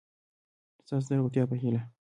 ستاسو د روغتیا په هیله